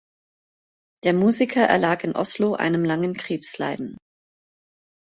Der Musiker erlag in Oslo einem langen Krebsleiden.